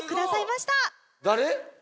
誰？